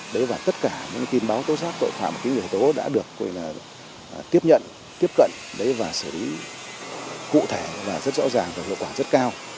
đấy và tất cả những tin báo tối giác tội phạm và những nguyên tố đã được tiếp nhận tiếp cận đấy và xử lý cụ thể và rất rõ ràng và hợp quả rất cao